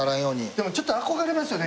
でもちょっと憧れますよね